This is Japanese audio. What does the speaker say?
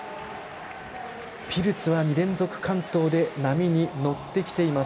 ピルツは２連続完登で波に乗ってきています。